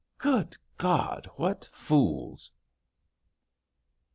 Good God, what fools!..."